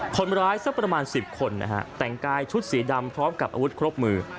สักประมาณ๑๐คนนะฮะแต่งกายชุดสีดำพร้อมกับอาวุธครบมือ